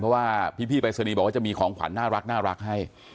เพราะว่าพี่ปริศนีย์บอกว่าจะมีของขวัญน่ารักให้